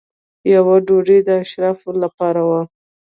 یوه ډوډۍ د اشرافو لپاره وه.